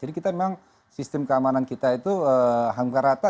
jadi kita memang sistem keamanan kita itu hangkarata